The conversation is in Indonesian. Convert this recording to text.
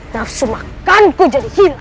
nafsu makan ku jadi hilang